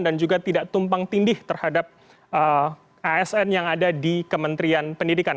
dan juga tidak tumpang tindih terhadap asn yang ada di kementrian pendidikan